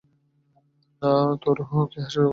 তারও কি হাসির রোগ আছে?